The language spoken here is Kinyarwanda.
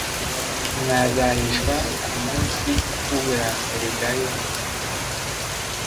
mwazahishwa ku munsi w uburakari bwa yehova